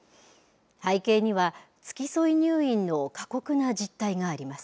背景には付き添い入院の過酷な実態があります。